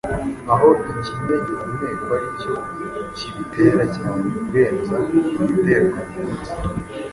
aho ikinya gihumekwa aricyo kibitera cyane kurenza igiterwa mu mutsi.